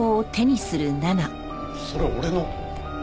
それ俺の。